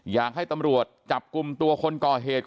อยากให้ตำรวจจับกลุ่มตัวคนก่อเหตุ